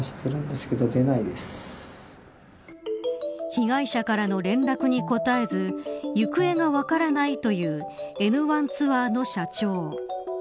被害者からの連絡に答えず行方が分からないというエヌワンツアーの社長。